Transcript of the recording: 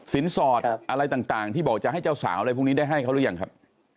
สินสอดอะไรต่างที่บอกจะให้เจ้าสาวอะไรพวกนี้ได้ให้เขาหรือยังครับ